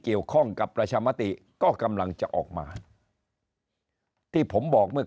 เกี่ยวข้องกับประชามติก็กำลังจะออกมาที่ผมบอกเมื่อ